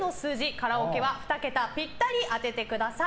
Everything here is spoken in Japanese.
カラオケは２桁ぴったり当ててください。